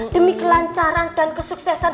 demi kelancaran dan kesuksesan